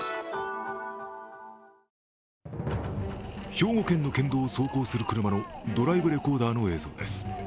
兵庫県の県道を走行する車のドライブレコーダーの映像です。